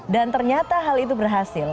dan ternyata hal itu berhasil